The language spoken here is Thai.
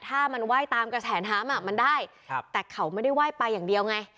ถ้ามันว่ายตามกระแสนฮ้ามันได้แต่เขาไม่ได้ว่ายไปอย่างเดียวไง